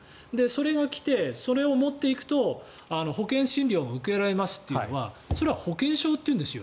それが来て、それを持っていくと保険診療が受けられますというのはそれは保険証というんですよ。